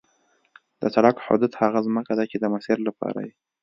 د سړک حدود هغه ځمکه ده چې د مسیر لپاره وي